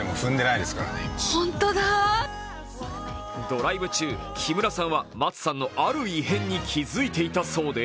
ドライブ中、木村さんは松さんのある異変に気づいていたそうで